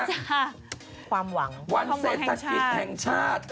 ใช่ความหวังความหวังแห่งชาติวันเศรษฐกิจแห่งชาติ